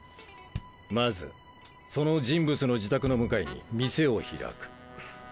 まずその人物の自宅の向かいに店を開く。